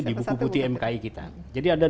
di buku putih mki kita jadi ada